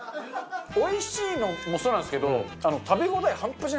おいしいのもそうなんですけどあるよな。